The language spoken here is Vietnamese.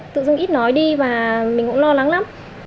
tự dung ít nói đi và mình cũng lo lắng lắm